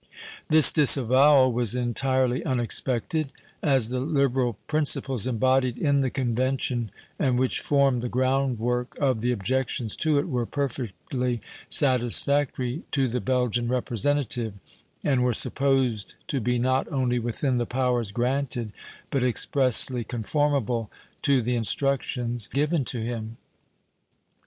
This disavowal was entirely unexpected, as the liberal principles embodied in the convention, and which form the ground work of the objections to it, were perfectly satisfactory to the Belgian representative, and were supposed to be not only within the powers granted, but expressly conformable to the instructions given to him.